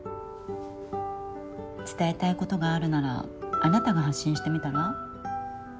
伝えたいことがあるならあなたが発信してみたら？